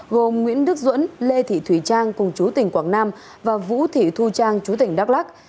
gồm nguyễn đức duẫn lê thị thùy trang cùng chú tỉnh quảng nam và vũ thị thu trang chú tỉnh đắk lắc